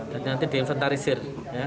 dan nanti diinventarisir